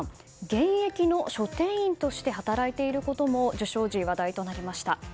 現役の書店員として働いていることも受賞時、話題となりました。